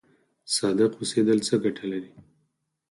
صادق اوسیدل څه ګټه لري؟